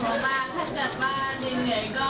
ขอบคุณมาก